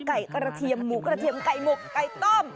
กระเทียมหมูกระเทียมไก่หมกไก่ต้ม